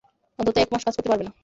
অন্তত এক মাস কাজ করতে পারবে না।